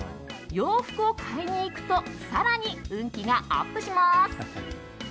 洋服を買いに行くと更に運気がアップします。